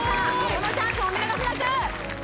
このチャンスお見逃しなく！